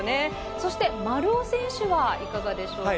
そして丸尾選手はいかがでしょうか。